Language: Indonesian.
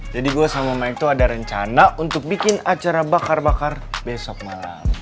jadi gue sama mike tuh ada rencana untuk bikin acara bakar bakar besok malam